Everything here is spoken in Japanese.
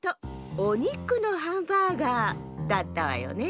おにくのハンバーガーだったわよね。